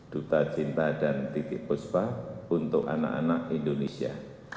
duta cinta dan titik puspa untuk anak anak indonesia